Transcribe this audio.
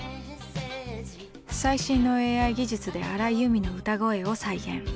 最新のＡＩ技術で荒井由実の歌声を再現。